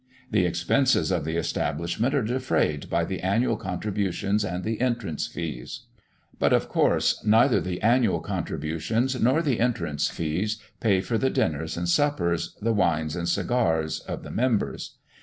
The expenses of the establishment are defrayed by the annual contributions and the entrance fees. But, of course, neither the annual contributions nor the entrance fees, pay for the dinners and suppers, the wines and cigars, of the members.